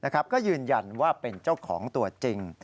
ก็ยืนยันว่าเป็นเจ้าของตัวจริง